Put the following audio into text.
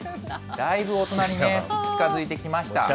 だいぶ大人にね、近づいてきました。